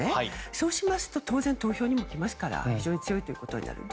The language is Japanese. そうしますと当然、投票にも来ますから非常に強いということになります。